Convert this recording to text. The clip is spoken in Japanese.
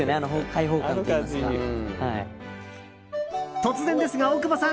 突然ですが、大久保さん。